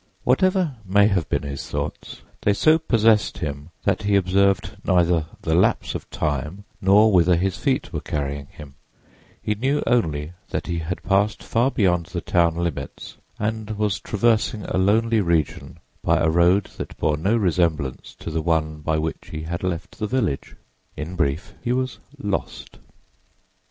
Whatever may have been his thoughts, they so possessed him that he observed neither the lapse of time nor whither his feet were carrying him; he knew only that he had passed far beyond the town limits and was traversing a lonely region by a road that bore no resemblance to the one by which he had left the village. In brief, he was "lost."